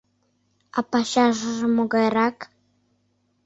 — А пачашыже могайрак?